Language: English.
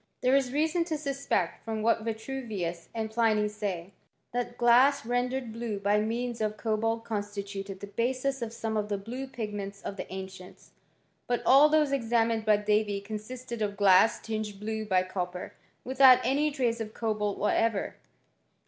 There is reason lo suspect, from what Vitruvius and Pliny say, that glass rendered blue by means ot cq VOl. J. o 83 mSTO&T Of CHEinSTET. bait constituted the basis of some of the blue pigments of the ancients ; but all those examined by Davy con« sisted. of glass tinged blue by copper, without any trace of cobalt whatever.